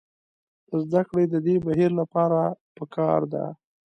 د زدکړې د دې بهیر لپاره پکار ده.